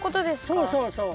そうそうそう。